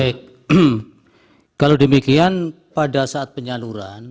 baik kalau demikian pada saat penyaluran